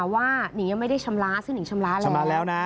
หนิงยังไม่ได้ชำระซึ่งหิงชำระแล้วนะ